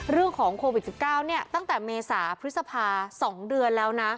เรื่องของโควิด๑๙ตั้งแต่เมษาพฤษภา๒เดือนแล้วนะ